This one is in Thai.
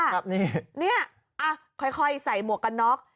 ครับนี่นี่ค่อยใส่หมวกกันน็อก